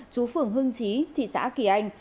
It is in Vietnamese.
chú phường hưng chí thị xã kỳ anh